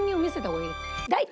大体